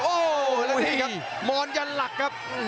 โอ้โหแล้วนี่ครับมอนยันหลักครับ